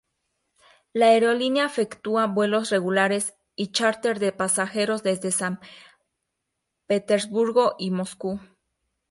La aerolínea efectúa vuelos regulares y chárter de pasajeros desde San Petersburgo y Moscú.